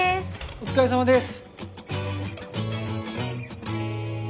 お疲れさまです！